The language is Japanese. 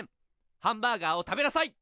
ハンバーガーを食べなさい！